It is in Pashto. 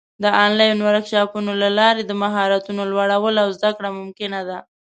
د آنلاین ورکشاپونو له لارې د مهارتونو لوړول او زده کړه ممکنه ده.